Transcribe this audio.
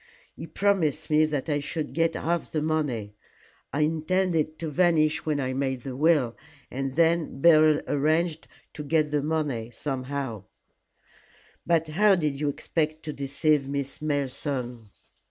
He promised me that I should get half the money. I intended to vanish when I made the will, and then Beryl arranged to get the money somehow " "But how did you expect to deceive Miss Malleson?"